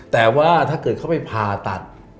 แต่ว่าถ้าเกิดเขาไปผ่าตัด